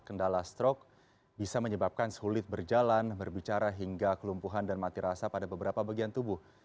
kendala stroke bisa menyebabkan sulit berjalan berbicara hingga kelumpuhan dan mati rasa pada beberapa bagian tubuh